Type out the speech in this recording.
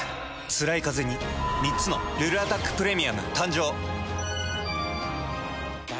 つらいカゼに３つの「ルルアタックプレミアム」誕生。